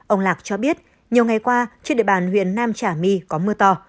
ông lạc cho biết nhiều ngày qua trên địa bàn huyện nam trà my có mưa to